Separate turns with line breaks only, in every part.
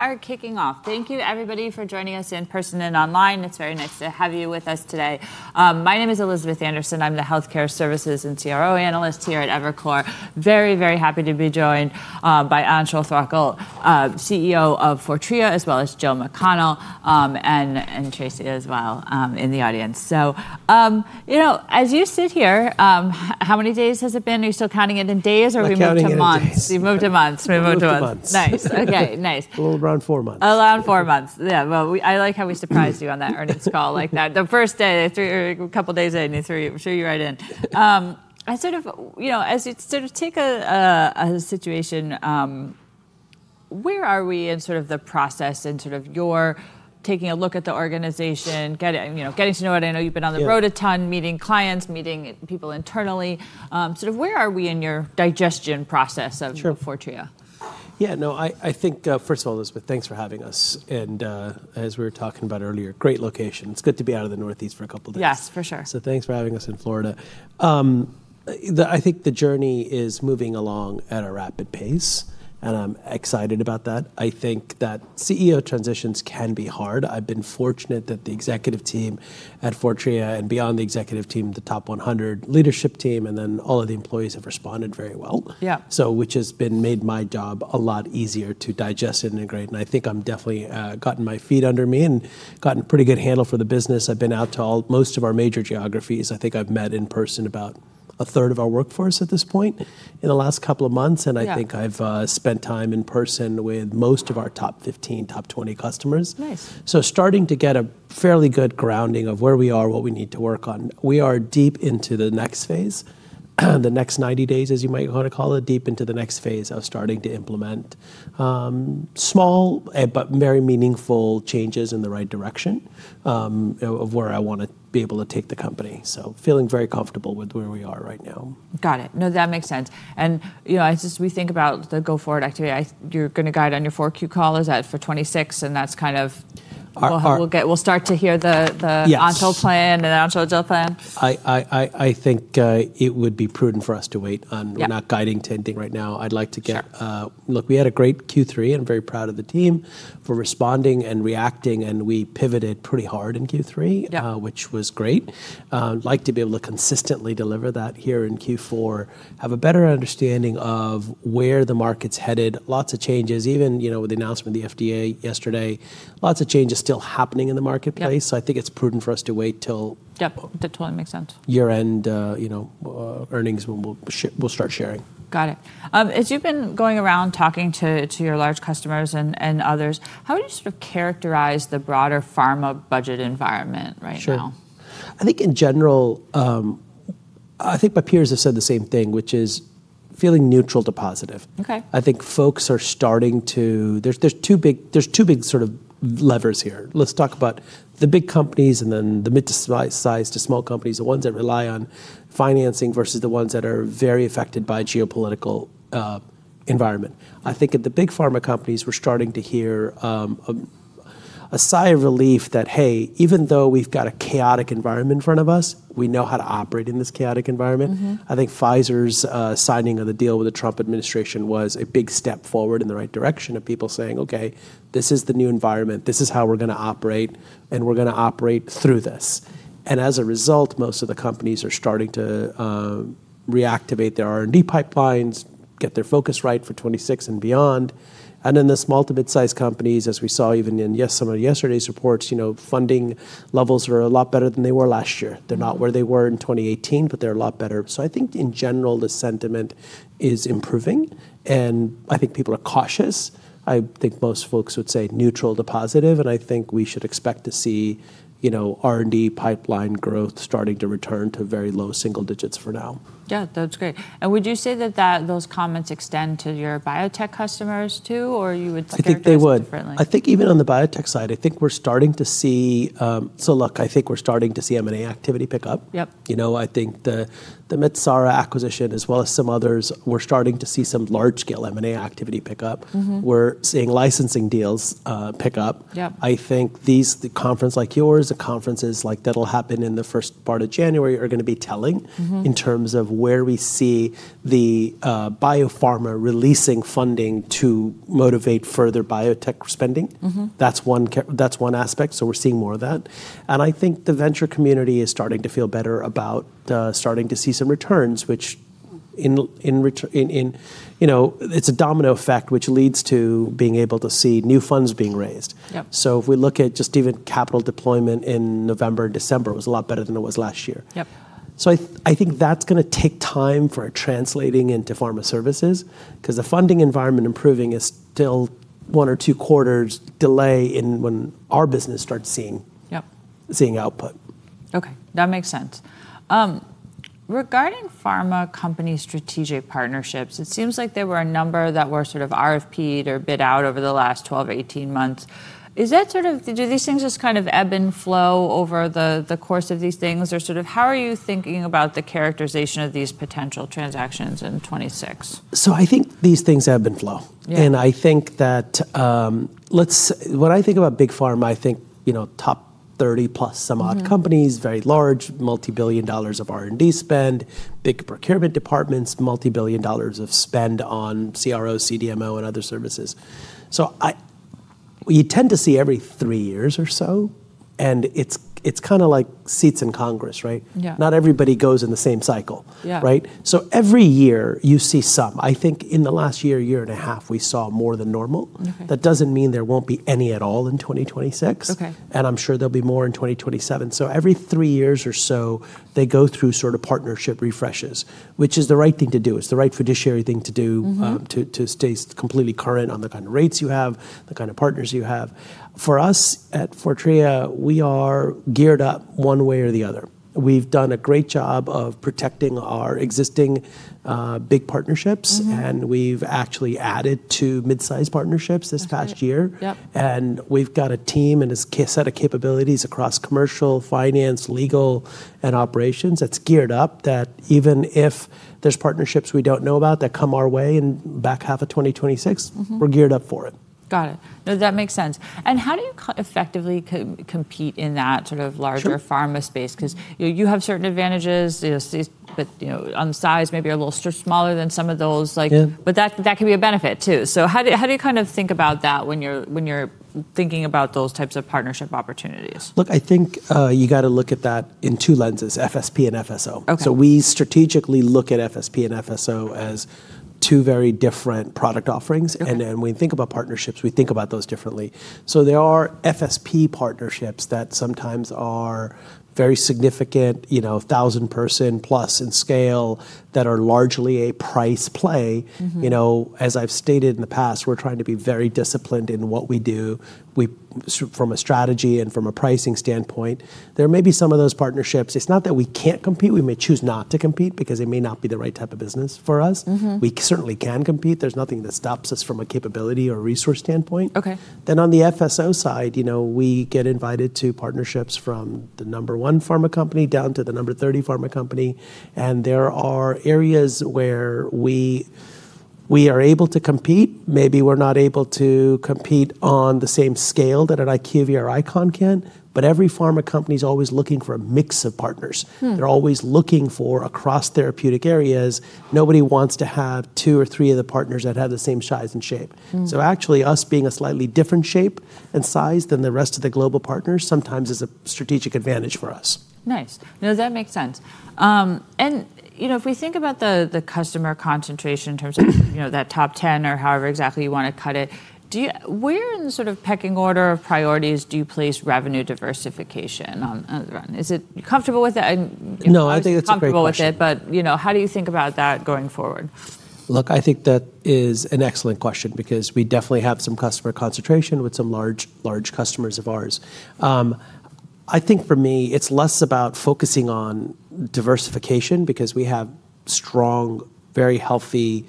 All right, kicking off. Thank you, everybody, for joining us in person and online. It's very nice to have you with us today. My name is Elizabeth Anderson. I'm the Health Care Services and CRO analyst here at Evercore. Very, very happy to be joined by Anshul Thakral, CEO of Fortrea, as well as Jill McConnell and Tracy as well in the audience, so you know, as you sit here, how many days has it been? Are you still counting it in days or have we moved to months?
We've moved to months.
You've moved to months. Nice. OK, nice.
Around four months.
Around four months. Yeah, well, I like how we surprised you on that earnings call like that. The first day, a couple days in, we threw you right in. I sort of, you know, as you sort of take a situation, where are we in sort of the process and sort of your taking a look at the organization, getting to know it? I know you've been on the road a ton, meeting clients, meeting people internally. Sort of where are we in your digestion process of Fortrea?
Yeah, no, I think, first of all, Elizabeth, thanks for having us. And as we were talking about earlier, great location. It's good to be out of the Northeast for a couple days.
Yes, for sure.
So thanks for having us in Florida. I think the journey is moving along at a rapid pace, and I'm excited about that. I think that CEO transitions can be hard. I've been fortunate that the executive team at Fortrea and beyond the executive team, the top 100 leadership team, and then all of the employees have responded very well.
Yeah.
So which has made my job a lot easier to digest and integrate, and I think I've definitely gotten my feet under me and gotten a pretty good handle for the business. I've been out to most of our major geographies. I think I've met in person about a third of our workforce at this point in the last couple of months, and I think I've spent time in person with most of our top 15, top 20 customers.
Nice.
Starting to get a fairly good grounding of where we are, what we need to work on. We are deep into the next phase, the next 90 days, as you might want to call it, deep into the next phase of starting to implement small but very meaningful changes in the right direction of where I want to be able to take the company. Feeling very comfortable with where we are right now.
Got it. No, that makes sense. And you know, as we think about the go-forward activity, you're going to guide on your 4Q call? Is that for 2026? And that's kind of.
Our heart.
We'll start to hear the Anshul plan and Anshul and Jill plan?
I think it would be prudent for us to wait. We're not guiding to anything right now. I'd like to, look, we had a great Q3. I'm very proud of the team for responding and reacting. And we pivoted pretty hard in Q3, which was great. I'd like to be able to consistently deliver that here in Q4, have a better understanding of where the market's headed. Lots of changes, even with the announcement of the FDA yesterday. Lots of changes still happening in the marketplace. So I think it's prudent for us to wait till.
Yeah, that totally makes sense.
Year-end earnings when we'll start sharing.
Got it. As you've been going around talking to your large customers and others, how would you sort of characterize the broader pharma budget environment right now?
Sure. I think in general, I think my peers have said the same thing, which is feeling neutral to positive.
OK.
I think folks are starting to. There's two big sort of levers here. Let's talk about the big companies and then the mid-sized to small companies, the ones that rely on financing versus the ones that are very affected by a geopolitical environment. I think at the big pharma companies, we're starting to hear a sigh of relief that, hey, even though we've got a chaotic environment in front of us, we know how to operate in this chaotic environment. I think Pfizer's signing of the deal with the Trump administration was a big step forward in the right direction of people saying, OK, this is the new environment. This is how we're going to operate, and we're going to operate through this. As a result, most of the companies are starting to reactivate their R&D pipelines, get their focus right for 2026 and beyond. And then the small to mid-sized companies, as we saw even in some of yesterday's reports, funding levels are a lot better than they were last year. They're not where they were in 2018, but they're a lot better. So I think in general, the sentiment is improving. And I think people are cautious. I think most folks would say neutral to positive. And I think we should expect to see R&D pipeline growth starting to return to very low single digits for now.
Yeah, that's great. And would you say that those comments extend to your biotech customers too? Or you would think they would differently?
I think even on the biotech side, so look, I think we're starting to see M&A activity pick up.
Yep.
You know, I think the Metsera acquisition, as well as some others, we're starting to see some large-scale M&A activity pick up. We're seeing licensing deals pick up. I think these conferences like yours and conferences like that will happen in the first part of January are going to be telling in terms of where we see the biopharma releasing funding to motivate further biotech spending. That's one aspect. So we're seeing more of that. And I think the venture community is starting to feel better about starting to see some returns, which in, you know, it's a domino effect, which leads to being able to see new funds being raised. So if we look at just even capital deployment in November and December, it was a lot better than it was last year.
Yep.
I think that's going to take time for translating into pharma services, because the funding environment improving is still one or two quarters delay in when our business starts seeing output.
OK, that makes sense. Regarding pharma company strategic partnerships, it seems like there were a number that were sort of RFP'd or bid out over the last 12-18 months. Is that sort of, do these things just kind of ebb and flow over the course of these things? Or sort of how are you thinking about the characterization of these potential transactions in 2026?
So I think these things ebb and flow. And I think that what I think about big pharma, I think, you know, top 30 plus some odd companies, very large, multi-billion dollars of R&D spend, big procurement departments, multi-billion dollars of spend on CRO, CDMO, and other services. So we tend to see every three years or so. And it's kind of like seats in Congress, right?
Yeah.
Not everybody goes in the same cycle, right? So every year you see some. I think in the last year, year-and-a-half, we saw more than normal. That doesn't mean there won't be any at all in 2026.
OK.
And I'm sure there'll be more in 2027. So every three years or so, they go through sort of partnership refreshes, which is the right thing to do. It's the right fiduciary thing to do to stay completely current on the kind of rates you have, the kind of partners you have. For us at Fortrea, we are geared up one way or the other. We've done a great job of protecting our existing big partnerships. And we've actually added to mid-sized partnerships this past year.
Yep.
We've got a team and a set of capabilities across commercial, finance, legal, and operations that's geared up that even if there's partnerships we don't know about that come our way in back half of 2026, we're geared up for it.
Got it. No, that makes sense. And how do you effectively compete in that sort of larger pharma space? Because you have certain advantages, but on the size, maybe you're a little smaller than some of those. But that can be a benefit too. So how do you kind of think about that when you're thinking about those types of partnership opportunities?
Look, I think you've got to look at that in two lenses, FSP and FSO.
OK.
We strategically look at FSP and FSO as two very different product offerings. And then when we think about partnerships, we think about those differently. There are FSP partnerships that sometimes are very significant, you know, 1,000 person plus in scale that are largely a price play. You know, as I've stated in the past, we're trying to be very disciplined in what we do from a strategy and from a pricing standpoint. There may be some of those partnerships, it's not that we can't compete. We may choose not to compete because it may not be the right type of business for us. We certainly can compete. There's nothing that stops us from a capability or resource standpoint.
OK.
Then on the FSO side, you know, we get invited to partnerships from the number one pharma company down to the number 30 pharma company. And there are areas where we are able to compete. Maybe we're not able to compete on the same scale that an IQVIA or ICON can. But every pharma company is always looking for a mix of partners. They're always looking for across therapeutic areas. Nobody wants to have two or three of the partners that have the same size and shape. So actually us being a slightly different shape and size than the rest of the global partners sometimes is a strategic advantage for us.
Nice. No, that makes sense, and you know, if we think about the customer concentration in terms of that top 10 or however exactly you want to cut it, where in the sort of pecking order of priorities do you place revenue diversification? Is it comfortable with that?
No, I think it's a great question.
Comfortable with it. But you know, how do you think about that going forward?
Look, I think that is an excellent question because we definitely have some customer concentration with some large customers of ours. I think for me, it's less about focusing on diversification because we have strong, very healthy,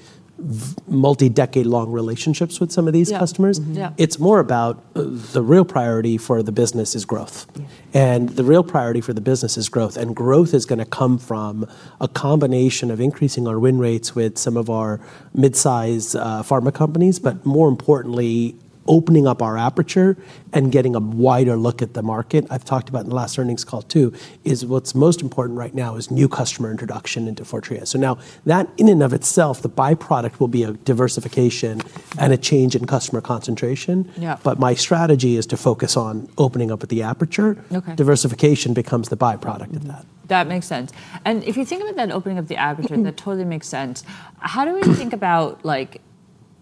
multi-decade-long relationships with some of these customers. It's more about the real priority for the business is growth. And growth is going to come from a combination of increasing our win rates with some of our mid-sized pharma companies, but more importantly, opening up our aperture and getting a wider look at the market. I've talked about in the last earnings call too is what's most important right now is new customer introduction into Fortrea. So now that in and of itself, the byproduct will be a diversification and a change in customer concentration. But my strategy is to focus on opening up at the aperture. Diversification becomes the byproduct of that.
That makes sense. And if you think about that opening of the aperture, that totally makes sense. How do we think about, like,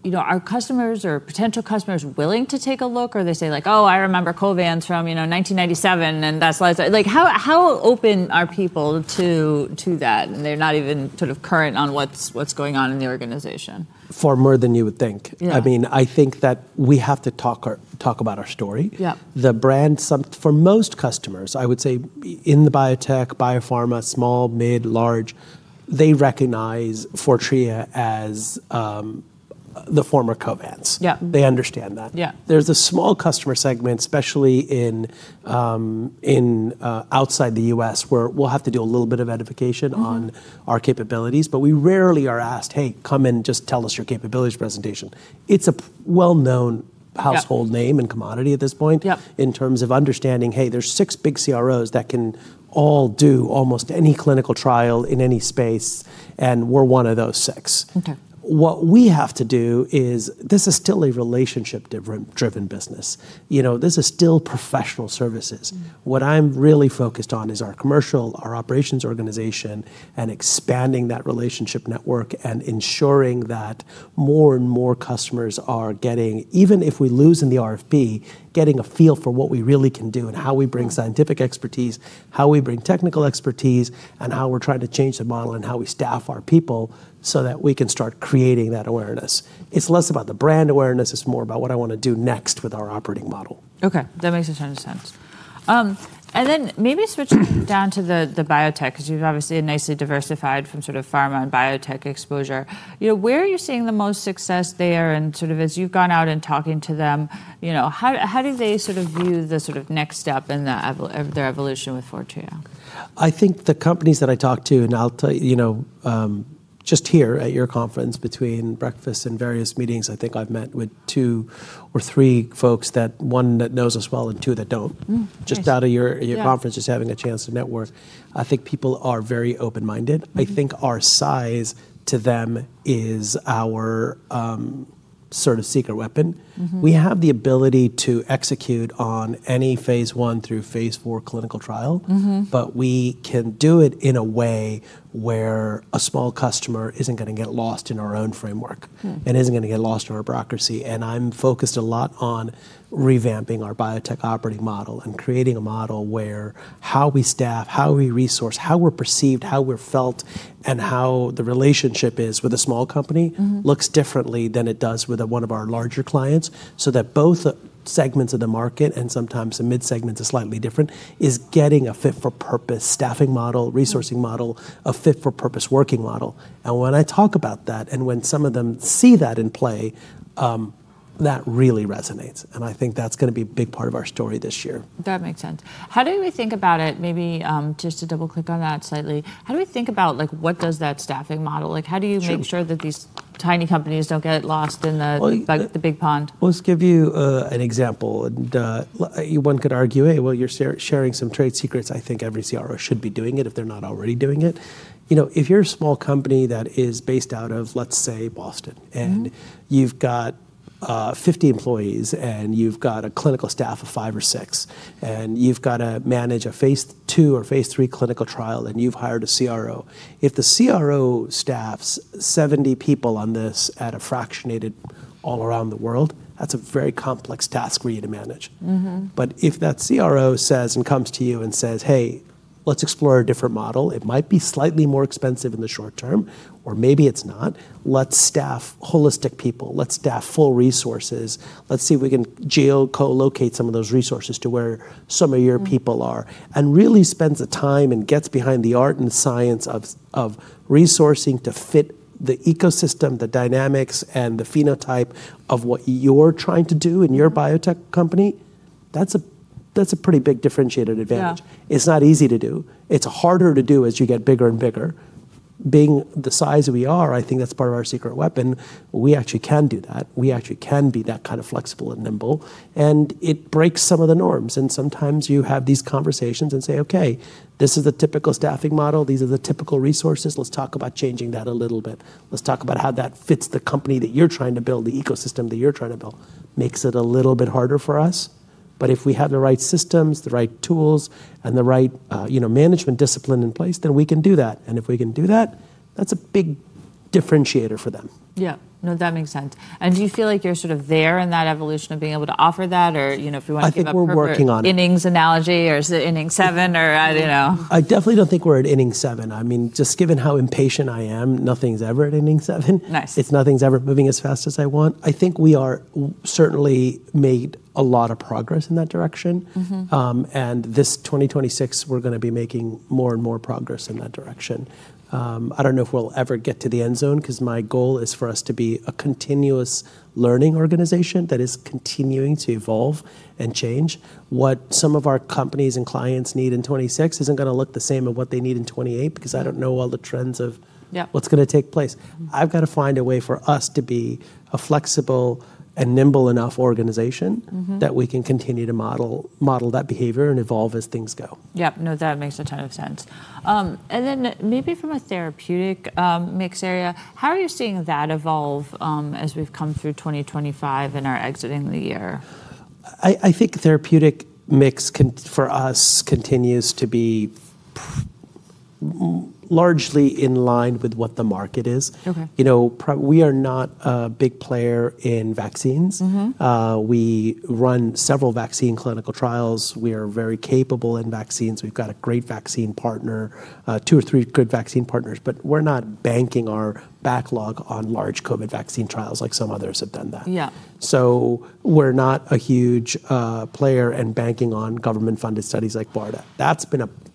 you know, are customers or potential customers willing to take a look? Or they say like, oh, I remember Covance from, you know, 1997, and that's like how open are people to that? And they're not even sort of current on what's going on in the organization.
Far more than you would think. I mean, I think that we have to talk about our story.
Yeah.
The brand, for most customers, I would say in the biotech, biopharma, small, mid, large, they recognize Fortrea as the former Covance.
Yeah.
They understand that.
Yeah.
There's a small customer segment, especially outside the U.S., where we'll have to do a little bit of edification on our capabilities. But we rarely are asked, hey, come and just tell us your capabilities presentation. It's a well-known household name and commodity at this point in terms of understanding, hey, there's six big CROs that can all do almost any clinical trial in any space, and we're one of those six.
OK.
What we have to do is this is still a relationship-driven business. You know, this is still professional services. What I'm really focused on is our commercial, our operations organization, and expanding that relationship network and ensuring that more and more customers are getting, even if we lose in the RFP, getting a feel for what we really can do and how we bring scientific expertise, how we bring technical expertise, and how we're trying to change the model and how we staff our people so that we can start creating that awareness. It's less about the brand awareness. It's more about what I want to do next with our operating model.
OK, that makes a ton of sense, and then maybe switching down to the biotech, because you've obviously nicely diversified from sort of pharma and biotech exposure. You know, where are you seeing the most success there, and sort of as you've gone out and talking to them, you know, how do they sort of view the sort of next step in their evolution with Fortrea?
I think the companies that I talk to, and I'll tell you, you know, just here at your conference, between breakfast and various meetings, I think I've met with two or three folks that one that knows us well and two that don't. Just out of your conference, just having a chance to network, I think people are very open-minded. I think our size to them is our sort of secret weapon. We have the ability to execute on any phase I through phase IV clinical trial. But we can do it in a way where a small customer isn't going to get lost in our own framework and isn't going to get lost in our bureaucracy. And I'm focused a lot on revamping our biotech operating model and creating a model where how we staff, how we resource, how we're perceived, how we're felt, and how the relationship is with a small company looks differently than it does with one of our larger clients. So that both segments of the market and sometimes the mid-segments are slightly different is getting a fit-for-purpose staffing model, resourcing model, a fit-for-purpose working model. And when I talk about that and when some of them see that in play, that really resonates. And I think that's going to be a big part of our story this year.
That makes sense. How do we think about it? Maybe just to double-click on that slightly, how do we think about, like, what does that staffing model? Like, how do you make sure that these tiny companies don't get lost in the big pond?
Let's give you an example. One could argue, hey, well, you're sharing some trade secrets. I think every CRO should be doing it if they're not already doing it. You know, if you're a small company that is based out of, let's say, Boston, and you've got 50 employees and you've got a clinical staff of five or six, and you've got to manage a phase II or phase III clinical trial, and you've hired a CRO. If the CRO staffs 70 people on this at a fractionated all around the world, that's a very complex task for you to manage. But if that CRO says and comes to you and says, hey, let's explore a different model, it might be slightly more expensive in the short term, or maybe it's not. Let's staff holistic people. Let's staff full resources. Let's see if we can geo-collocate some of those resources to where some of your people are and really spend the time and get behind the art and science of resourcing to fit the ecosystem, the dynamics, and the phenotype of what you're trying to do in your biotech company. That's a pretty big differentiated advantage. It's not easy to do. It's harder to do as you get bigger and bigger. Being the size we are, I think that's part of our secret weapon. We actually can do that. We actually can be that kind of flexible and nimble. And it breaks some of the norms. And sometimes you have these conversations and say, OK, this is the typical staffing model. These are the typical resources. Let's talk about changing that a little bit. Let's talk about how that fits the company that you're trying to build, the ecosystem that you're trying to build. Makes it a little bit harder for us. But if we have the right systems, the right tools, and the right management discipline in place, then we can do that, and if we can do that, that's a big differentiator for them.
Yeah. No, that makes sense. And do you feel like you're sort of there in that evolution of being able to offer that? Or, you know, if we want to come up with an innings analogy or is it innings 7 or, you know?
I definitely don't think we're at Innings 7. I mean, just given how impatient I am, nothing's ever at Innings 7.
Nice.
It's nothing's ever moving as fast as I want. I think we are certainly made a lot of progress in that direction. And this 2026, we're going to be making more and more progress in that direction. I don't know if we'll ever get to the end zone because my goal is for us to be a continuous learning organization that is continuing to evolve and change. What some of our companies and clients need in 2026 isn't going to look the same as what they need in 2028 because I don't know all the trends of what's going to take place. I've got to find a way for us to be a flexible and nimble enough organization that we can continue to model that behavior and evolve as things go.
Yeah. No, that makes a ton of sense. And then maybe from a therapeutic mix area, how are you seeing that evolve as we've come through 2025 and are exiting the year?
I think therapeutic mix for us continues to be largely in line with what the market is. You know, we are not a big player in vaccines. We run several vaccine clinical trials. We are very capable in vaccines. We've got a great vaccine partner, two or three good vaccine partners. But we're not banking our backlog on large COVID vaccine trials like some others have done that.
Yeah.
So, we're not a huge player and banking on government-funded studies like BARDA.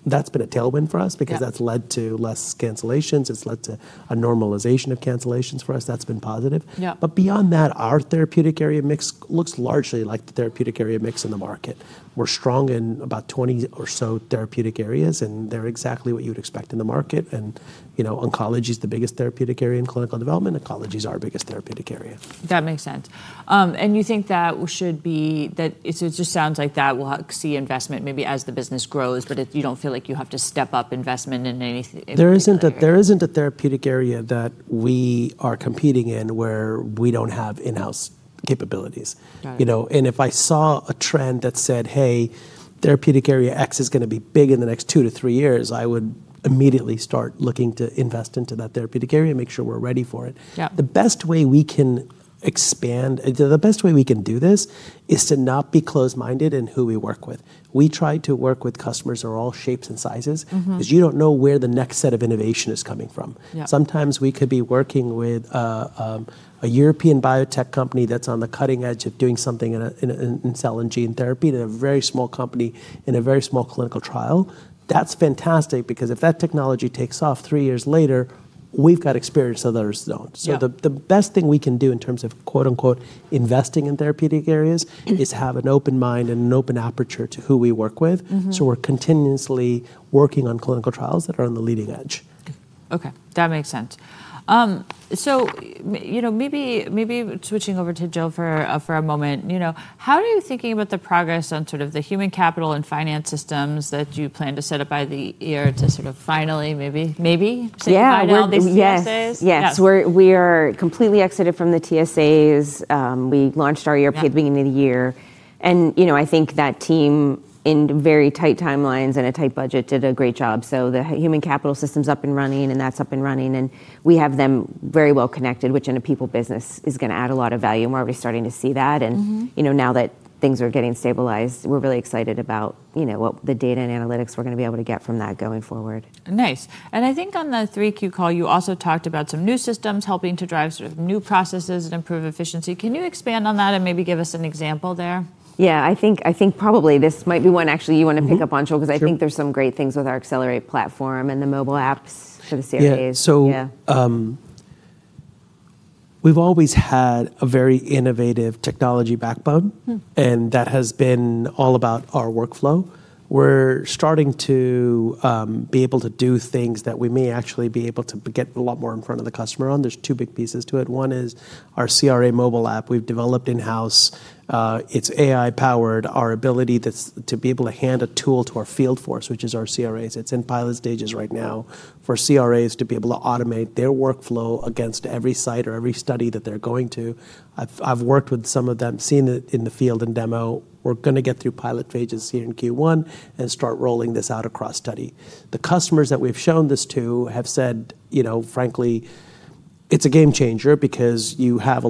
That's been a tailwind for us because that's led to less cancellations. It's led to a normalization of cancellations for us. That's been positive. But beyond that, our therapeutic area mix looks largely like the therapeutic area mix in the market. We're strong in about 20 or so therapeutic areas. And they're exactly what you would expect in the market. And, you know, oncology is the biggest therapeutic area in clinical development. Oncology is our biggest therapeutic area.
That makes sense. And you think that should be that it just sounds like that will see investment maybe as the business grows, but you don't feel like you have to step up investment in anything?
There isn't a therapeutic area that we are competing in where we don't have in-house capabilities. You know, and if I saw a trend that said, hey, therapeutic area X is going to be big in the next two to three years, I would immediately start looking to invest into that therapeutic area and make sure we're ready for it. The best way we can expand, the best way we can do this is to not be closed-minded in who we work with. We try to work with customers of all shapes and sizes because you don't know where the next set of innovation is coming from. Sometimes we could be working with a European biotech company that's on the cutting edge of doing something in cell and gene therapy to a very small company in a very small clinical trial. That's fantastic because if that technology takes off three years later, we've got experience others don't. So the best thing we can do in terms of quote unquote investing in therapeutic areas is have an open mind and an open aperture to who we work with. So we're continuously working on clinical trials that are on the leading edge.
OK. That makes sense. So, you know, maybe switching over to Jill for a moment, you know, how are you thinking about the progress on sort of the human capital and finance systems that you plan to set up by the year to sort of finally maybe, maybe?
Yeah.
Settle down on these TSAs?
Yes. We are completely exited from the TSAs. We launched our year at the beginning of the year, and, you know, I think that team, in very tight timelines and a tight budget, did a great job, so the human capital system's up and running, and that's up and running, and we have them very well connected, which in a people business is going to add a lot of value, and we're already starting to see that, and, you know, now that things are getting stabilized, we're really excited about, you know, what the data and analytics we're going to be able to get from that going forward.
Nice. And I think on the Q3 call, you also talked about some new systems helping to drive sort of new processes and improve efficiency. Can you expand on that and maybe give us an example there?
Yeah. I think probably this might be one actually you want to pick up on, Jill, because I think there's some great things with our Xcellerate platform and the mobile apps for the CRAs.
Yeah. So we've always had a very innovative technology backbone. And that has been all about our workflow. We're starting to be able to do things that we may actually be able to get a lot more in front of the customer on. There's two big pieces to it. One is our CRA Mobile App. We've developed in-house. It's AI-powered. Our ability to be able to hand a tool to our field force, which is our CRAs. It's in pilot stages right now for CRAs to be able to automate their workflow against every site or every study that they're going to. I've worked with some of them, seen it in the field and demo. We're going to get through pilot phases here in Q1 and start rolling this out across study. The customers that we've shown this to have said, you know, frankly, it's a game changer because you have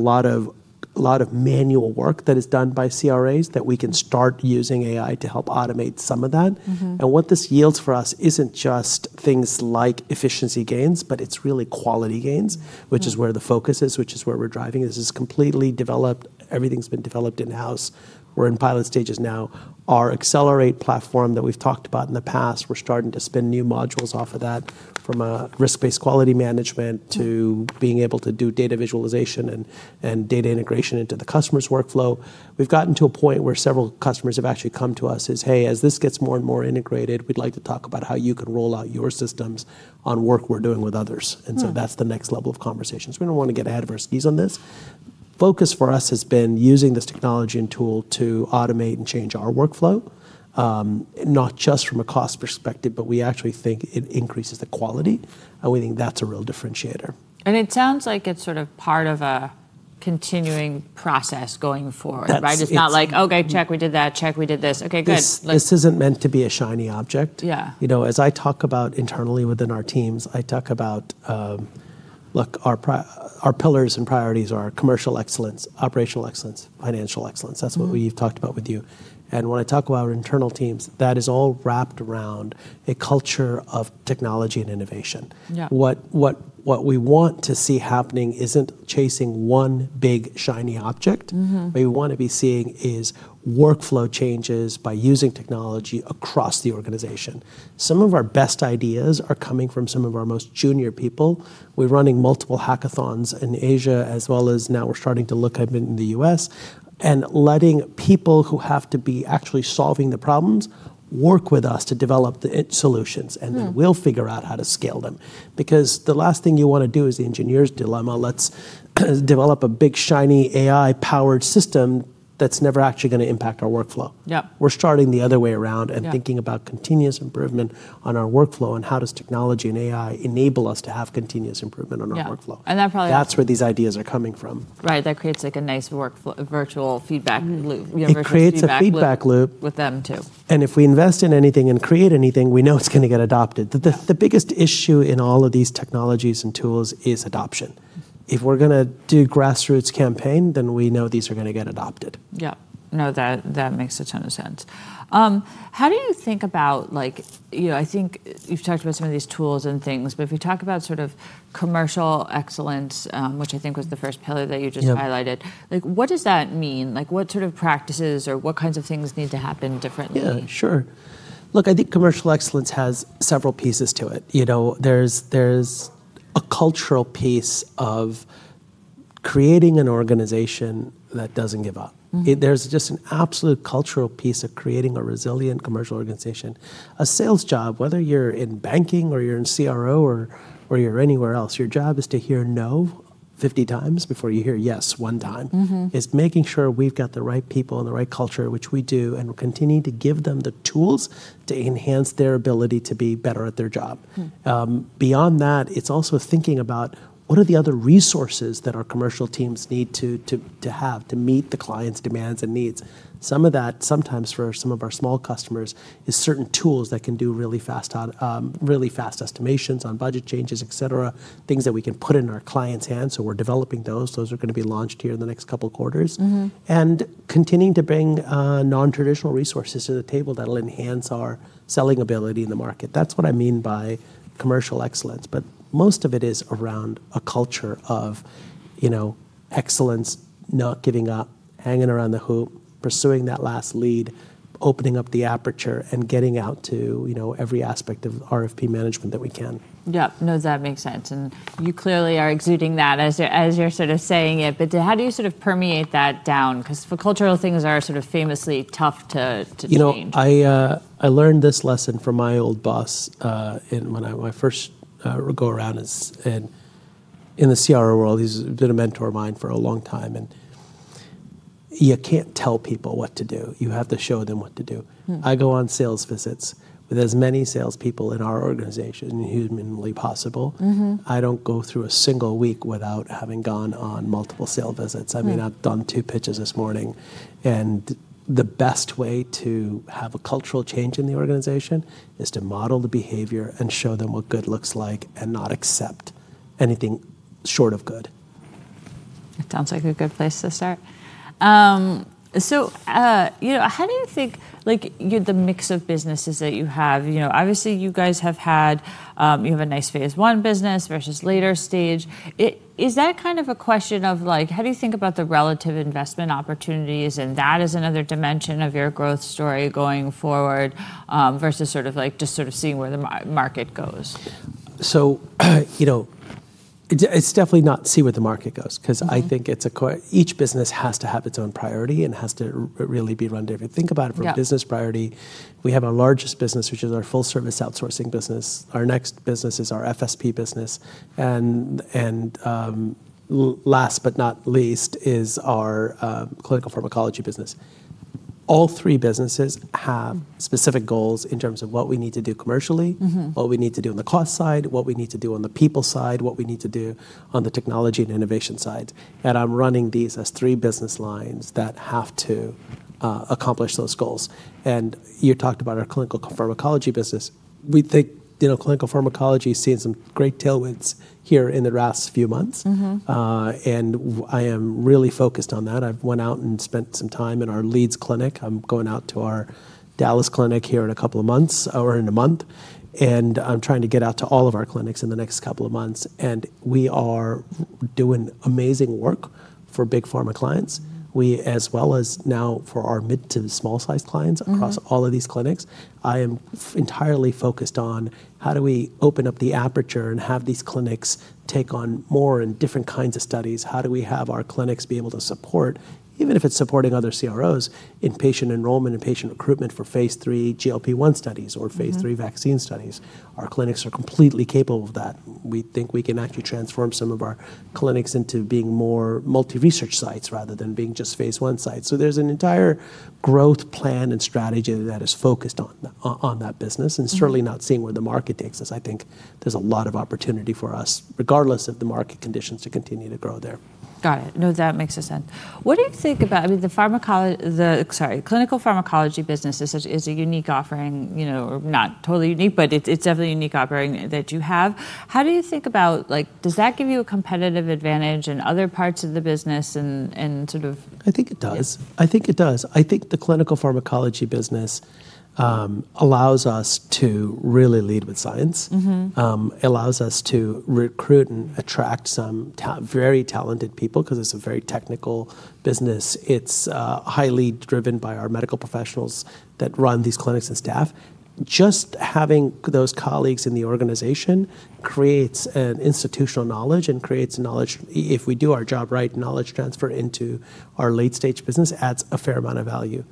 a lot of manual work that is done by CRAs that we can start using AI to help automate some of that. And what this yields for us isn't just things like efficiency gains, but it's really quality gains, which is where the focus is, which is where we're driving. This is completely developed. Everything's been developed in-house. We're in pilot stages now. Our Xcellerate platform that we've talked about in the past, we're starting to spin new modules off of that from a risk-based quality management to being able to do data visualization and data integration into the customer's workflow. We've gotten to a point where several customers have actually come to us, "hey, as this gets more and more integrated, we'd like to talk about how you can roll out your systems on work we're doing with others," and so that's the next level of conversations. We don't want to get ahead of our skis on this. Focus for us has been using this technology and tool to automate and change our workflow, not just from a cost perspective, but we actually think it increases the quality, and we think that's a real differentiator.
And it sounds like it's sort of part of a continuing process going forward, right? It's not like, OK, check, we did that, check, we did this. OK, good.
This isn't meant to be a shiny object.
Yeah.
You know, as I talk about internally within our teams, I talk about, look, our pillars and priorities are commercial excellence, operational excellence, financial excellence. That's what we've talked about with you. And when I talk about internal teams, that is all wrapped around a culture of technology and innovation. What we want to see happening isn't chasing one big shiny object. What we want to be seeing is workflow changes by using technology across the organization. Some of our best ideas are coming from some of our most junior people. We're running multiple hackathons in Asia, as well as now we're starting to look at it in the U.S. and letting people who have to be actually solving the problems work with us to develop the solutions. And then we'll figure out how to scale them. Because the last thing you want to do is the engineer's dilemma. Let's develop a big shiny AI-powered system that's never actually going to impact our workflow.
Yeah.
We're starting the other way around and thinking about continuous improvement on our workflow, and how does technology and AI enable us to have continuous improvement on our workflow?
Yeah. And that probably.
That's where these ideas are coming from.
Right. That creates like a nice virtual feedback loop.
It creates a feedback loop.
With them too.
And if we invest in anything and create anything, we know it's going to get adopted. The biggest issue in all of these technologies and tools is adoption. If we're going to do grassroots campaign, then we know these are going to get adopted.
Yeah. No, that makes a ton of sense. How do you think about, like, you know, I think you've talked about some of these tools and things, but if you talk about sort of commercial excellence, which I think was the first pillar that you just highlighted, like, what does that mean? Like, what sort of practices or what kinds of things need to happen differently?
Yeah, sure. Look, I think commercial excellence has several pieces to it. You know, there's a cultural piece of creating an organization that doesn't give up. There's just an absolute cultural piece of creating a resilient commercial organization. A sales job, whether you're in banking or you're in CRO or you're anywhere else, your job is to hear no 50 times before you hear yes one time. It's making sure we've got the right people and the right culture, which we do, and continue to give them the tools to enhance their ability to be better at their job. Beyond that, it's also thinking about what are the other resources that our commercial teams need to have to meet the client's demands and needs. Some of that, sometimes for some of our small customers, is certain tools that can do really fast estimations on budget changes, et cetera, things that we can put in our client's hands. So we're developing those. Those are going to be launched here in the next couple of quarters and continuing to bring nontraditional resources to the table that will enhance our selling ability in the market. That's what I mean by commercial excellence. But most of it is around a culture of, you know, excellence, not giving up, hanging around the hoop, pursuing that last lead, opening up the aperture and getting out to, you know, every aspect of RFP management that we can.
Yeah. No, that makes sense. And you clearly are exuding that as you're sort of saying it. But how do you sort of permeate that down? Because cultural things are sort of famously tough to change.
You know, I learned this lesson from my old boss when I first would go around in the CRO world. He's been a mentor of mine for a long time. And you can't tell people what to do. You have to show them what to do. I go on sales visits with as many salespeople in our organization as humanly possible. I don't go through a single week without having gone on multiple sale visits. I mean, I've done two pitches this morning. And the best way to have a cultural change in the organization is to model the behavior and show them what good looks like and not accept anything short of good.
That sounds like a good place to start. So, you know, how do you think, like, the mix of businesses that you have, you know, obviously you guys have had, you have a nice phase one business versus later stage. Is that kind of a question of, like, how do you think about the relative investment opportunities? And that is another dimension of your growth story going forward versus sort of like just sort of seeing where the market goes.
So, you know, it's definitely not see where the market goes, because I think each business has to have its own priority and has to really be run differently. Think about it from a business priority. We have our largest business, which is our full-service outsourcing business. Our next business is our FSP business. And last but not least is our clinical pharmacology business. All three businesses have specific goals in terms of what we need to do commercially, what we need to do on the cost side, what we need to do on the people side, what we need to do on the technology and innovation side. And I'm running these as three business lines that have to accomplish those goals. And you talked about our clinical pharmacology business. We think clinical pharmacology has seen some great tailwinds here in the last few months. I am really focused on that. I've went out and spent some time in our Leeds clinic. I'm going out to our Dallas clinic here in a couple of months or in a month. I'm trying to get out to all of our clinics in the next couple of months. We are doing amazing work for big pharma clients, as well as now for our mid to small-sized clients across all of these clinics. I am entirely focused on how do we open up the aperture and have these clinics take on more and different kinds of studies. How do we have our clinics be able to support, even if it's supporting other CROs in patient enrollment and patient recruitment for phase III GLP-1 studies or phase III vaccine studies? Our clinics are completely capable of that. We think we can actually transform some of our clinics into being more multi-research sites rather than being just phase I sites. So there's an entire growth plan and strategy that is focused on that business and certainly not seeing where the market takes us. I think there's a lot of opportunity for us, regardless of the market conditions, to continue to grow there.
Got it. No, that makes sense. What do you think about, I mean, the pharmacology, sorry, clinical pharmacology business is a unique offering, you know, not totally unique, but it's definitely a unique offering that you have. How do you think about, like, does that give you a competitive advantage in other parts of the business and sort of.
I think it does. I think it does. I think the clinical pharmacology business allows us to really lead with science, allows us to recruit and attract some very talented people because it's a very technical business. It's highly driven by our medical professionals that run these clinics and staff. Just having those colleagues in the organization creates an institutional knowledge and creates knowledge. If we do our job right, knowledge transfer into our late-stage business adds a fair amount of value.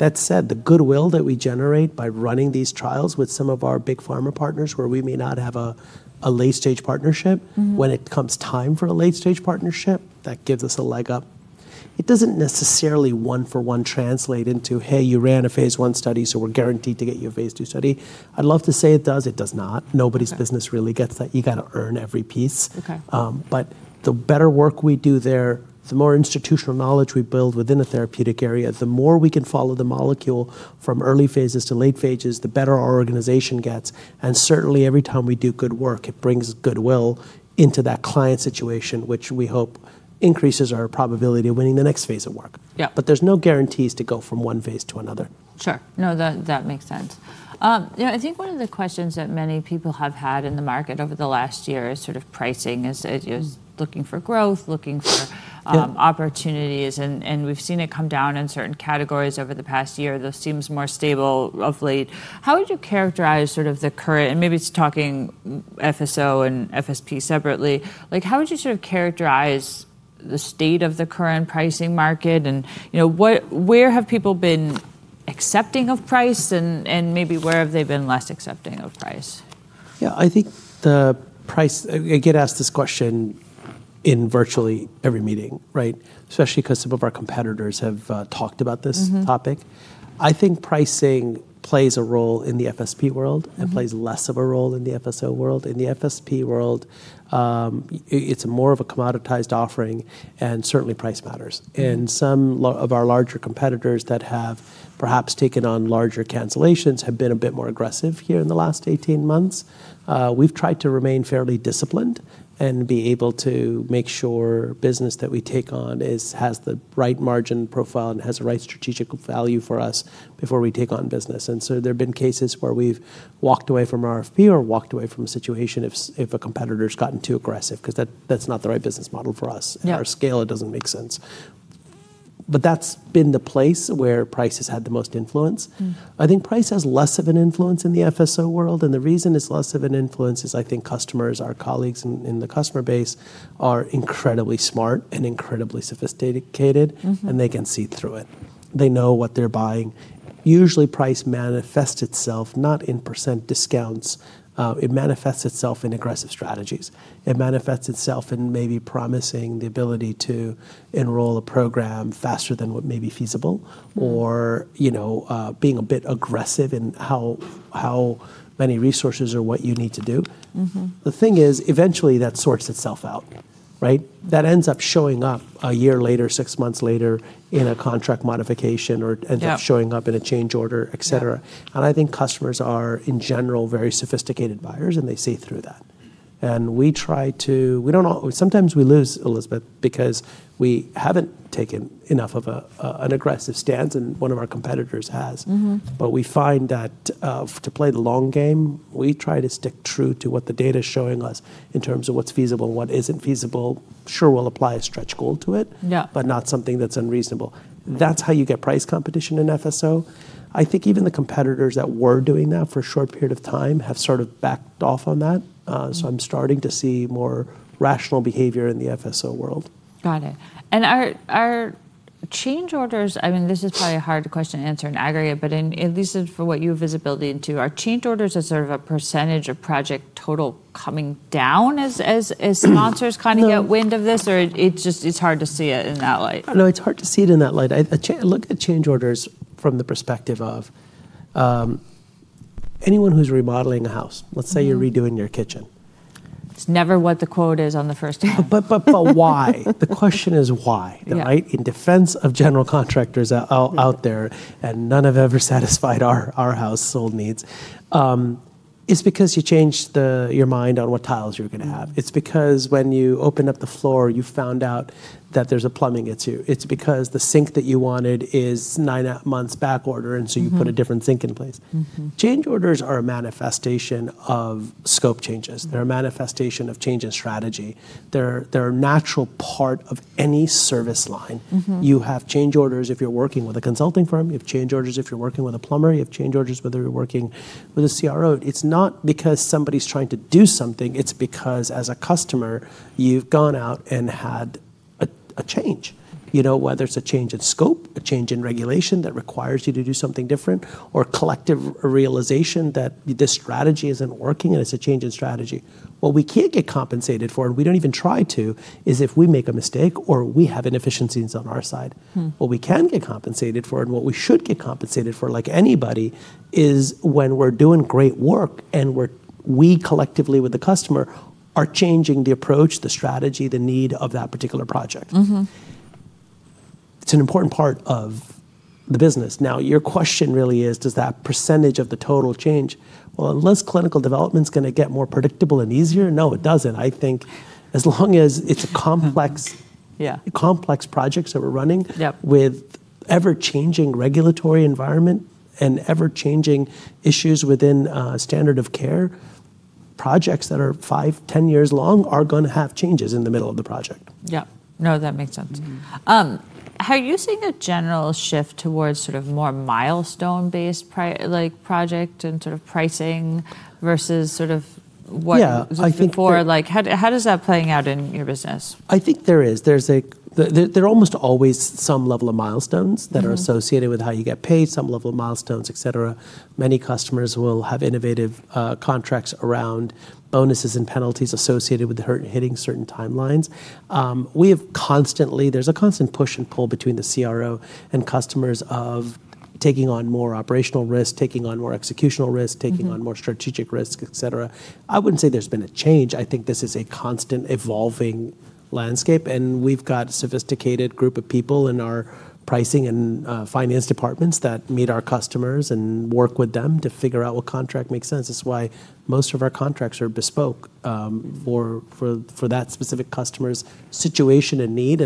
That said, the goodwill that we generate by running these trials with some of our big pharma partners, where we may not have a late-stage partnership, when it comes time for a late-stage partnership, that gives us a leg up. It doesn't necessarily one-for-one translate into, hey, you ran a phase I study, so we're guaranteed to get you a phase II study. I'd love to say it does. It does not. Nobody's business really gets that. You got to earn every piece. But the better work we do there, the more institutional knowledge we build within a therapeutic area, the more we can follow the molecule from early phases to late phases, the better our organization gets. And certainly, every time we do good work, it brings goodwill into that client situation, which we hope increases our probability of winning the next phase of work.
Yeah.
But there's no guarantees to go from one phase to another.
Sure. No, that makes sense. You know, I think one of the questions that many people have had in the market over the last year is sort of pricing. It's looking for growth, looking for opportunities, and we've seen it come down in certain categories over the past year. This seems more stable of late. How would you characterize sort of the current, and maybe it's talking FSO and FSP separately, like, how would you sort of characterize the state of the current pricing market, and, you know, where have people been accepting of price, and maybe where have they been less accepting of price?
Yeah, I think the price. I get asked this question in virtually every meeting, right? Especially because some of our competitors have talked about this topic. I think pricing plays a role in the FSP world and plays less of a role in the FSO world. In the FSP world, it's more of a commoditized offering. And certainly, price matters. And some of our larger competitors that have perhaps taken on larger cancellations have been a bit more aggressive here in the last 18 months. We've tried to remain fairly disciplined and be able to make sure business that we take on has the right margin profile and has the right strategic value for us before we take on business. And so there have been cases where we've walked away from RFP or walked away from a situation if a competitor has gotten too aggressive because that's not the right business model for us. At our scale, it doesn't make sense. But that's been the place where price has had the most influence. I think price has less of an influence in the FSO world. And the reason it's less of an influence is I think customers, our colleagues in the customer base, are incredibly smart and incredibly sophisticated, and they can see through it. They know what they're buying. Usually, price manifests itself not in percent discounts. It manifests itself in aggressive strategies. It manifests itself in maybe promising the ability to enroll a program faster than what may be feasible or, you know, being a bit aggressive in how many resources or what you need to do. The thing is, eventually, that sorts itself out, right? That ends up showing up a year later, six months later in a contract modification or ends up showing up in a change order, et cetera. And I think customers are, in general, very sophisticated buyers, and they see through that. And we try to, we don't, sometimes we lose, Elizabeth, because we haven't taken enough of an aggressive stance, and one of our competitors has. But we find that to play the long game, we try to stick true to what the data is showing us in terms of what's feasible and what isn't feasible. Sure, we'll apply a stretch goal to it, but not something that's unreasonable. That's how you get price competition in FSO. I think even the competitors that were doing that for a short period of time have sort of backed off on that. So I'm starting to see more rational behavior in the FSO world.
Got it. And our change orders, I mean, this is probably a hard question to answer and aggregate, but at least for what you have visibility into, are change orders a sort of a percentage of project total coming down as sponsors kind of get wind of this? Or it's just, it's hard to see it in that light?
No, it's hard to see it in that light. I look at change orders from the perspective of anyone who's remodeling a house. Let's say you're redoing your kitchen.
It's never what the quote is on the first.
But why? The question is why, right? In defense of general contractors out there, and none have ever satisfied our house's old needs, it's because you changed your mind on what tiles you're going to have. It's because when you opened up the floor, you found out that there's a plumbing issue. It's because the sink that you wanted is nine months back ordered, and so you put a different sink in place. Change orders are a manifestation of scope changes. They're a manifestation of change in strategy. They're a natural part of any service line. You have change orders if you're working with a consulting firm. You have change orders if you're working with a plumber. You have change orders whether you're working with a CRO. It's not because somebody's trying to do something. It's because as a customer, you've gone out and had a change. You know, whether it's a change in scope, a change in regulation that requires you to do something different, or collective realization that this strategy isn't working and it's a change in strategy. What we can't get compensated for, and we don't even try to, is if we make a mistake or we have inefficiencies on our side. What we can get compensated for and what we should get compensated for, like anybody, is when we're doing great work and we collectively with the customer are changing the approach, the strategy, the need of that particular project. It's an important part of the business. Now, your question really is, does that percentage of the total change? Well, unless clinical development's going to get more predictable and easier, no, it doesn't. I think as long as it's a complex project that we're running with ever-changing regulatory environment and ever-changing issues within standard of care, projects that are five, 10 years long are going to have changes in the middle of the project.
Yeah. No, that makes sense. Have you seen a general shift towards sort of more milestone-based project and sort of pricing versus sort of what was before? Like, how does that play out in your business?
I think there is. There's a, there's almost always some level of milestones that are associated with how you get paid, some level of milestones, et cetera. Many customers will have innovative contracts around bonuses and penalties associated with hitting certain timelines. We have constantly, there's a constant push and pull between the CRO and customers of taking on more operational risk, taking on more executional risk, taking on more strategic risk, et cetera. I wouldn't say there's been a change. I think this is a constant evolving landscape, and we've got a sophisticated group of people in our pricing and finance departments that meet our customers and work with them to figure out what contract makes sense. That's why most of our contracts are bespoke for that specific customer's situation and need.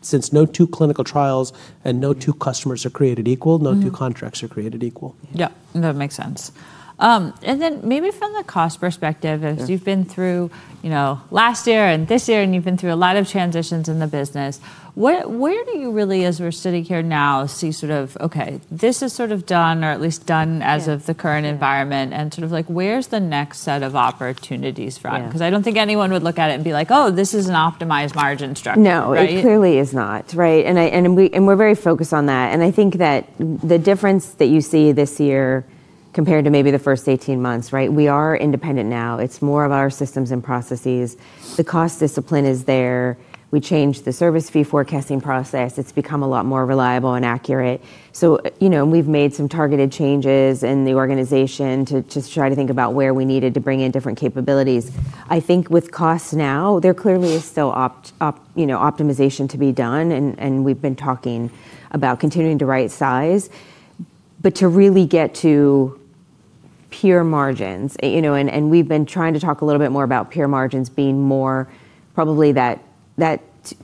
Since no two clinical trials and no two customers are created equal, no two contracts are created equal.
Yeah, that makes sense, and then maybe from the cost perspective, as you've been through, you know, last year and this year, and you've been through a lot of transitions in the business, where do you really, as we're sitting here now, see sort of, okay, this is sort of done or at least done as of the current environment, and sort of like, where's the next set of opportunities from? Because I don't think anyone would look at it and be like, oh, this is an optimized margin structure.
No, it clearly is not, right, and we're very focused on that. And I think that the difference that you see this year compared to maybe the first 18 months, right? We are independent now. It's more of our systems and processes. The cost discipline is there. We changed the service fee forecasting process. It's become a lot more reliable and accurate, so you know, and we've made some targeted changes in the organization to try to think about where we needed to bring in different capabilities. I think with costs now, there clearly is still, you know, optimization to be done, and we've been talking about continuing to right size, but to really get to pure margins, you know, and we've been trying to talk a little bit more about pure margins being more probably that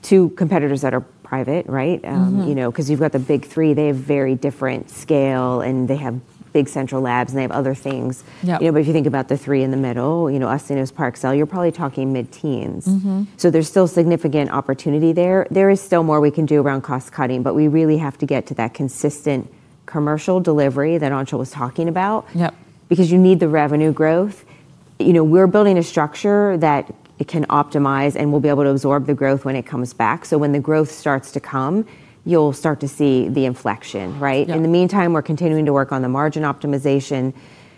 two competitors that are private, right? You know, because you've got the big three, they have very different scale and they have big central labs and they have other things. You know, but if you think about the three in the middle, you know, Syneos, Parexel, you're probably talking mid-teens. So there's still significant opportunity there. There is still more we can do around cost cutting, but we really have to get to that consistent commercial delivery that Anshul was talking about. Because you need the revenue growth. You know, we're building a structure that can optimize and we'll be able to absorb the growth when it comes back. So when the growth starts to come, you'll start to see the inflection, right? In the meantime, we're continuing to work on the margin optimization.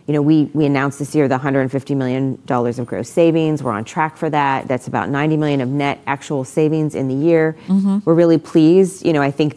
You know, we announced this year the $150 million of gross savings. We're on track for that. That's about $90 million of net actual savings in the year. We're really pleased. You know, I think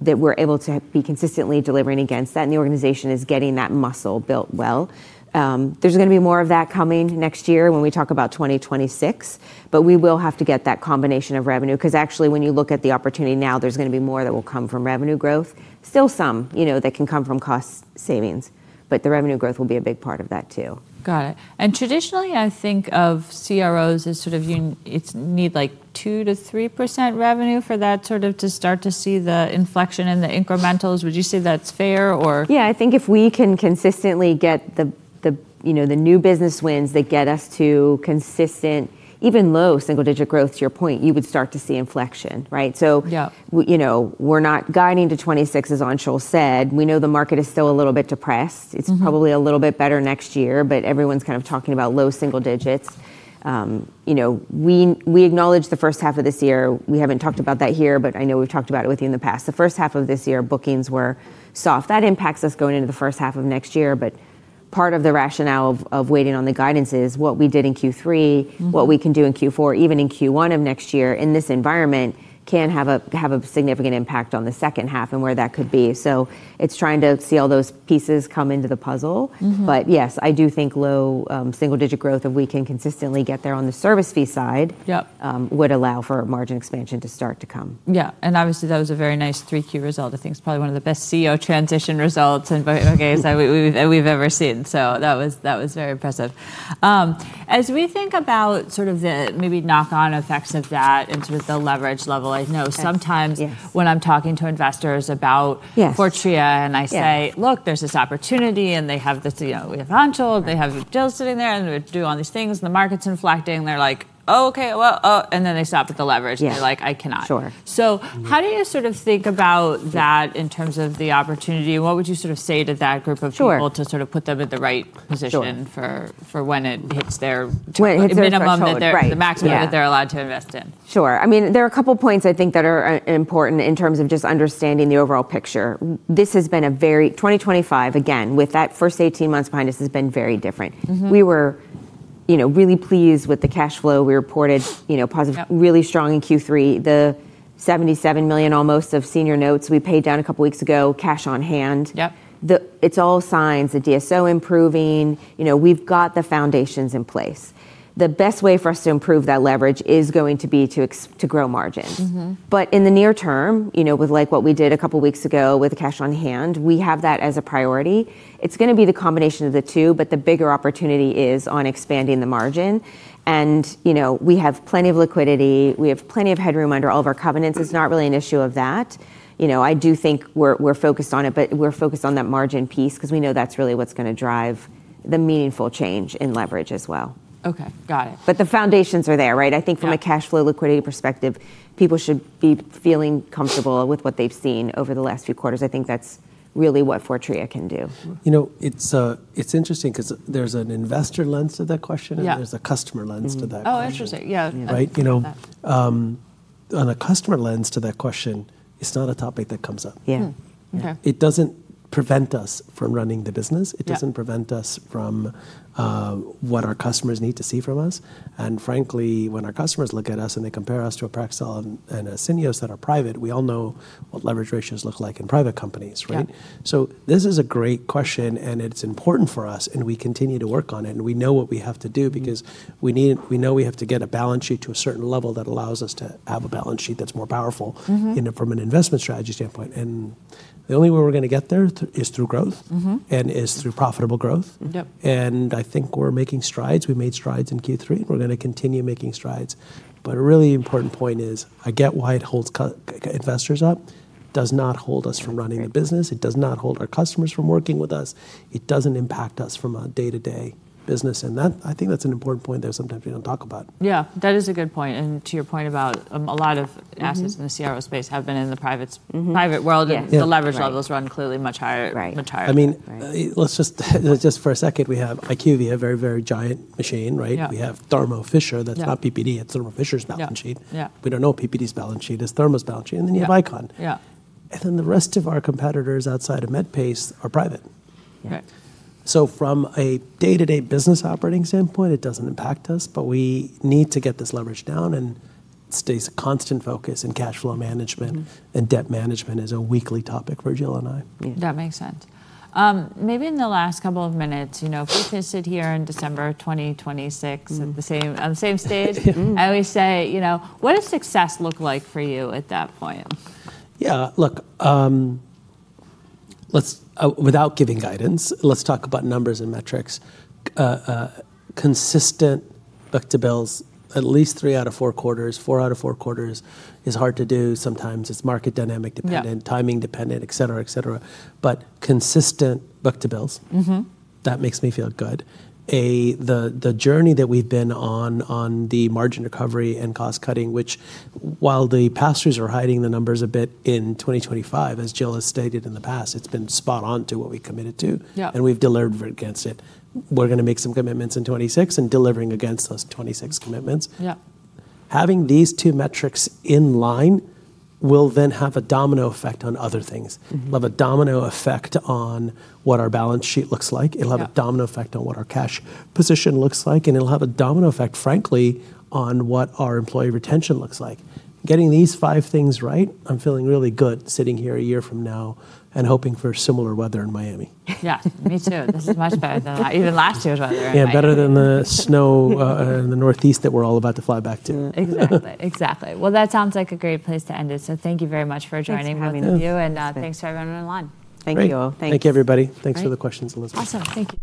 that we're able to be consistently delivering against that and the organization is getting that muscle built well. There's going to be more of that coming next year when we talk about 2026, but we will have to get that combination of revenue. Because actually, when you look at the opportunity now, there's going to be more that will come from revenue growth. Still some, you know, that can come from cost savings, but the revenue growth will be a big part of that too.
Got it. And traditionally, I think of CROs as sort of, you need like 2%-3% revenue for that sort of to start to see the inflection and the incrementals. Would you say that's fair or?
Yeah, I think if we can consistently get the, you know, the new business wins that get us to consistent, even low single-digit growth, to your point, you would start to see inflection, right? So, you know, we're not guiding to 2026, as Anshul said. We know the market is still a little bit depressed. It's probably a little bit better next year, but everyone's kind of talking about low single digits. You know, we acknowledge the first half of this year. We haven't talked about that here, but I know we've talked about it with you in the past. The first half of this year, bookings were soft. That impacts us going into the first half of next year. But part of the rationale of waiting on the guidance is what we did in Q3, what we can do in Q4, even in Q1 of next year in this environment can have a significant impact on the second half and where that could be. So it's trying to see all those pieces come into the puzzle. But yes, I do think low single-digit growth, if we can consistently get there on the service fee side, would allow for margin expansion to start to come.
Yeah. Obviously, that was a very nice 3Q result. I think it's probably one of the best CEO transition results and years that we've ever seen. So that was very impressive. As we think about sort of the maybe knock-on effects of that and sort of the leverage level, I know sometimes when I'm talking to investors about Fortrea and I say, look, there's this opportunity and they have this, you know, we have Anshul, they have Jill sitting there and they do all these things and the market's inflecting. They're like, okay, well, and then they stop with the leverage. They're like, I cannot. So how do you sort of think about that in terms of the opportunity? What would you sort of say to that group of people to sort of put them in the right position for when it hits their minimum, the maximum that they're allowed to invest in?
Sure. I mean, there are a couple of points I think that are important in terms of just understanding the overall picture. This has been a very 2025, again, with that first 18 months behind us has been very different. We were, you know, really pleased with the cash flow. We reported, you know, positive, really strong in Q3, the $77 million almost of senior notes we paid down a couple of weeks ago, cash on hand. It's all signs, the DSO improving. You know, we've got the foundations in place. The best way for us to improve that leverage is going to be to grow margins. But in the near term, you know, with like what we did a couple of weeks ago with the cash on hand, we have that as a priority. It's going to be the combination of the two, but the bigger opportunity is on expanding the margin, and you know, we have plenty of liquidity. We have plenty of headroom under all of our covenants. It's not really an issue of that. You know, I do think we're focused on it, but we're focused on that margin piece because we know that's really what's going to drive the meaningful change in leverage as well.
Okay, got it.
But the foundations are there, right? I think from a cash flow liquidity perspective, people should be feeling comfortable with what they've seen over the last few quarters. I think that's really what Fortrea can do.
You know, it's interesting because there's an investor lens to that question and there's a customer lens to that question.
Oh, interesting. Yeah.
Right? You know, on a customer lens to that question, it's not a topic that comes up. It doesn't prevent us from running the business. It doesn't prevent us from what our customers need to see from us. And frankly, when our customers look at us and they compare us to a Parexel and a Syneos that are private, we all know what leverage ratios look like in private companies, right? So this is a great question and it's important for us and we continue to work on it. And we know what we have to do because we know we have to get a balance sheet to a certain level that allows us to have a balance sheet that's more powerful from an investment strategy standpoint. And the only way we're going to get there is through growth and is through profitable growth. And I think we're making strides. We made strides in Q3 and we're going to continue making strides, but a really important point is I get why it holds investors up. It does not hold us from running the business. It does not hold our customers from working with us. It doesn't impact us from a day-to-day business, and I think that's an important point that sometimes we don't talk about.
Yeah, that is a good point. And to your point about a lot of assets in the CRO space have been in the private world and the leverage levels run clearly much higher, much higher.
I mean, let's just for a second, we have IQVIA, a very, very giant machine, right? We have Thermo Fisher. That's not PPD. It's Thermo Fisher's balance sheet. We don't know what PPD's balance sheet is. Thermo’s balance sheet. And then you have ICON. And then the rest of our competitors outside of MedPace are private. So from a day-to-day business operating standpoint, it doesn't impact us, but we need to get this leverage down and stay constant focus and cash flow management and debt management is a weekly topic for Jill and I.
That makes sense. Maybe in the last couple of minutes, you know, if we sit here in December of 2026, on the same stage, I always say, you know, what does success look like for you at that point?
Yeah, look, let's, without giving guidance, let's talk about numbers and metrics. Consistent book to bills, at least three out of four quarters, four out of four quarters is hard to do. Sometimes it's market dynamic dependent, timing dependent, et cetera, et cetera. But consistent book to bills, that makes me feel good. The journey that we've been on, on the margin recovery and cost cutting, which while the pass-throughs are hiding the numbers a bit in 2025, as Jill has stated in the past, it's been spot on to what we committed to and we've delivered against it. We're going to make some commitments in 2026 and delivering against those 2026 commitments. Having these two metrics in line will then have a domino effect on other things. It'll have a domino effect on what our balance sheet looks like. It'll have a domino effect on what our cash position looks like. And it'll have a domino effect, frankly, on what our employee retention looks like. Getting these five things right, I'm feeling really good sitting here a year from now and hoping for similar weather in Miami.
Yeah, me too. This is much better than even last year's weather.
Yeah, better than the snow in the Northeast that we're all about to fly back to.
Exactly. Exactly. That sounds like a great place to end it. Thank you very much for joining and having the view and thanks for everyone online.
Thank you.
Thank you, everybody. Thanks for the questions, Elizabeth.
Awesome. Thank you.